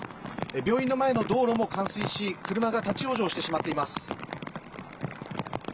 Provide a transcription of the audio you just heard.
病院の前の道路も冠水し、車が立ち往生してしまっています。